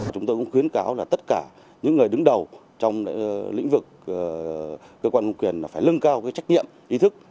chúng tôi cũng khuyến cáo là tất cả những người đứng đầu trong lĩnh vực cơ quan công quyền phải lưng cao trách nhiệm ý thức